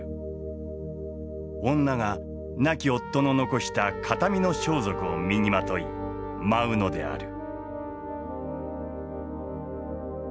女が亡き夫の残した形見の装束を身にまとい舞うのである。